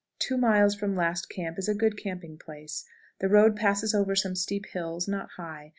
Two miles from last camp is a good camping place. The road passes over some steep hills, not high.